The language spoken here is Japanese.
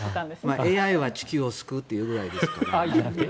ＡＩは地球を救うっていうぐらいですから。